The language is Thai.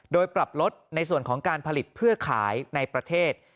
โดยปรับลดในส่วนของการผลิตเพื่อขายในประเทศ